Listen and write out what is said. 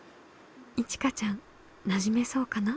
いちかちゃんなじめそうかな？